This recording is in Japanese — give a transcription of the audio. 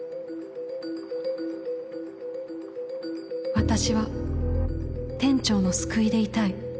私は店長の救いでいたい